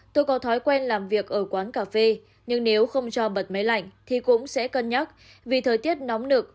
tôi có thói quen làm việc ở quán cà phê nhưng nếu không cho bật máy lạnh thì cũng sẽ cân nhắc vì thời tiết nóng nực